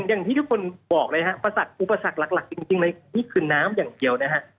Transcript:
อย่างที่ทุกคนบอกเลยฮะประสาทอุปสรรคหลักจริงเลยนี่คือน้ำอย่างเดียวนะฮะ